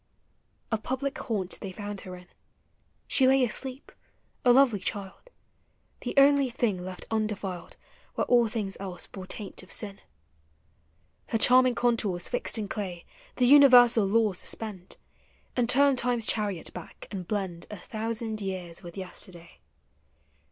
A public haunt they found her in : She lay asleep, a lovely child; The ouly thing left undetiled Where all things else bore taint of sin. Her charming contours fixed in clay The universal law suspend. And turn Time's chariot back, and blend A thousand years with yesterday.